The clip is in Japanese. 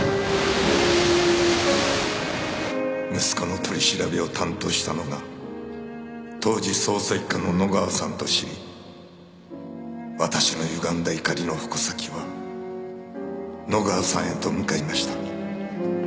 息子の取り調べを担当したのが当時捜査一課の野川さんと知り私の歪んだ怒りの矛先は野川さんへと向かいました。